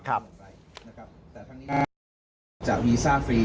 พลอยกรุปตอบเป็นเพื่องไปไหนแต่ครั้งนี้จากวิซาฟรี